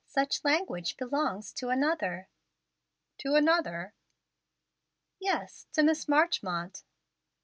Such language belongs to another." "To another?" "Yes; to Miss Marchmont."